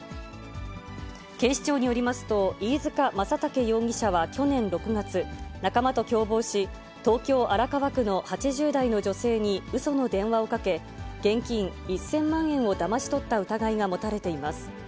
警視庁によりますと、飯塚将虎容疑者は、去年６月、仲間と共謀し、東京・荒川区の８０代の女性にうその電話をかけ、現金１０００万円をだまし取った疑いが持たれています。